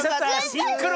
シンクロ！